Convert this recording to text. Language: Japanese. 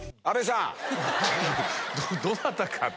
「どなたか」って。